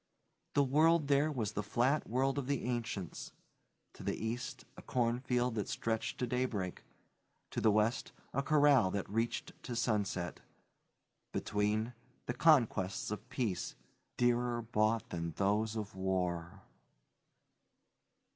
The world there was the flat world of the ancients; to the east, a cornfield that stretched to daybreak; to the west, a corral that reached to sunset; between, the conquests of peace, dearer bought than those of war.